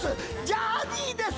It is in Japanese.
ジャーニーです。